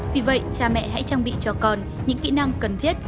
vì vậy cha mẹ hãy trang bị cho con những kỹ năng cần thiết